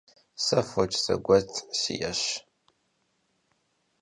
Se foç zeguet si'eş.